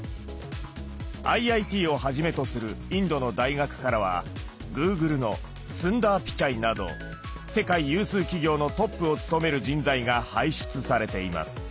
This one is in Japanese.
ＩＩＴをはじめとするインドの大学からはＧｏｏｇｌｅのスンダー・ピチャイなど世界有数企業のトップを務める人材が輩出されています。